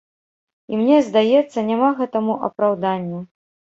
І мне здаецца, няма гэтаму апраўдання.